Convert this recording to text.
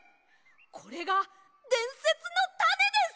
これがでんせつのタネです！